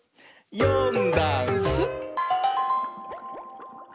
「よんだんす」